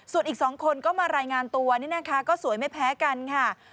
ส่วนอีก๒คนก็มารายงานตัวนี่นะคะก็สวยไม่แพ้กันค่ะ